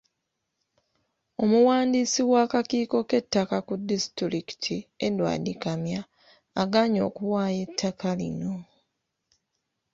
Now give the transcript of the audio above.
Omuwandiisi w'akakiiko k'ettaka ku disitulikiti, Edward Kamya, agaanye okuwaayo ettaka lino.